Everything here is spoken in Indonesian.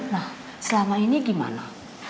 nah selama ini gimana